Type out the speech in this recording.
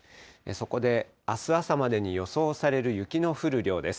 そこで、あす朝までに予想される雪の降る量です。